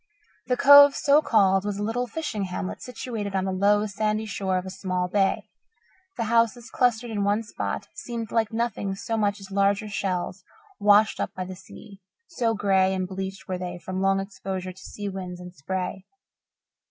The Cove, so called, was a little fishing hamlet situated on the low, sandy shore of a small bay. The houses, clustered in one spot, seemed like nothing so much as larger shells washed up by the sea, so grey and bleached were they from long exposure to sea winds and spray.